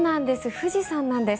富士山なんです。